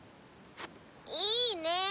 いいね。